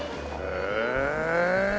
へえ。